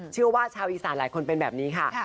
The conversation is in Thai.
ชาวอีสานหลายคนเป็นแบบนี้ค่ะ